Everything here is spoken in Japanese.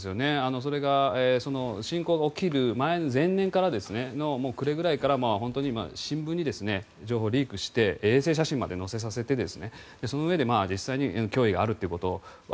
それが侵攻が起きる前前年の暮れぐらいから新聞に情報をリークして衛星写真まで載せさせてそのうえで実際に脅威があるということ。